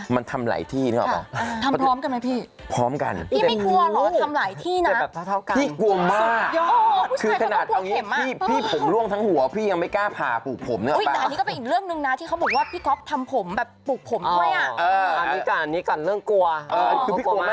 มันทำรายที่ในการทำรายที่